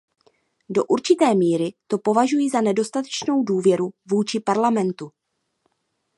Do určité míry to považuji za nedostatečnou důvěru vůči Parlamentu.